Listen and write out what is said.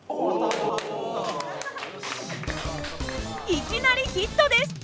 いきなりヒットです。